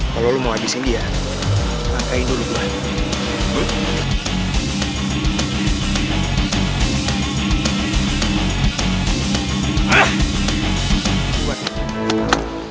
kalo lo mau abisin dia pangkain dulu gue